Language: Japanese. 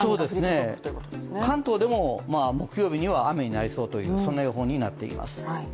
関東でも木曜日には雨になりそうというそんな予報になっています。